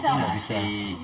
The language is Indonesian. itu enggak bisa